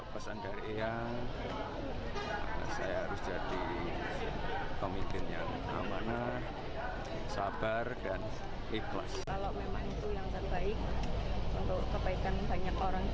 pesan dari ananda saya harus jadi komitmen yang aman